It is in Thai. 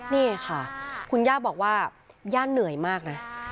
นี่ค่ะคุณย่าบอกว่าย่าเหนื่อยมากนะ